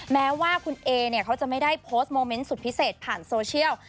แม้ว่าคุณเอเนี่ยเขาจะไม่ได้โพสต์โมเมนต์สุดพิเศษผ่านโซเชียล